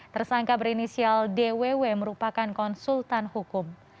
tersangka berinisial dww merupakan konsultan hukum